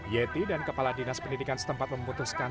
yeti dan kepala dinas pendidikan setempat memutuskan